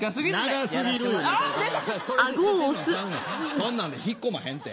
そんなんで引っ込まへんて。